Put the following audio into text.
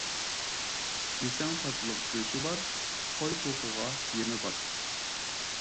يېسەڭ تاتلىق «گۆشى»بار، قوي، توخۇغا «يېمى» بار.